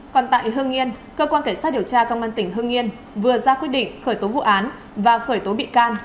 còn tại hương nghiên cơ quan cảnh sát điều tra công an tỉnh hương nghiên vừa ra quy định khởi tố vụ án và khởi tố bị can